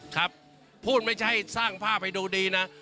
ครับพูดไม่ใช่สร้างภาพให้ดูดีนะ